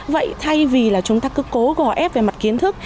vậy thay vì là chúng ta cứ cố gò ép về mặt kiến thức